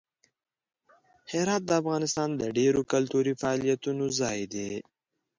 هرات د افغانستان د ډیرو کلتوري فعالیتونو ځای دی.